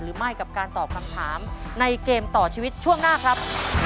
หรือไม่กับการตอบคำถามในเกมต่อชีวิตช่วงหน้าครับ